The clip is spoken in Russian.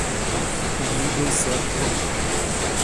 У ней был сэр Джон.